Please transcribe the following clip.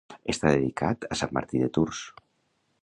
Està dedicada a sant Martí de Tours.